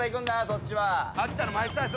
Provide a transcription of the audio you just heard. そっちは。